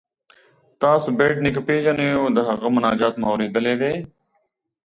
تاسو بېټ نیکه پيژنئ او د هغه مناجات مو اوریدلی دی؟